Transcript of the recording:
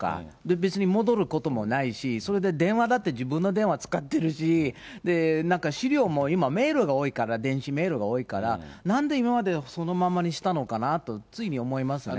別に戻ることもないし、それで電話だって自分の電話使ってるし、なんか資料も今、メールが多いから、電子メールが多いから、なんで今までそのままにしたのかなと、つい思いますね。